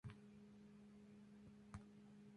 Tanto か como カ provienen del kanji 力 y 加.